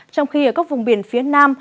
trong khi ở các vùng biển phía nam